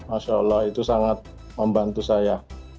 masya allah itu sangat membantu saya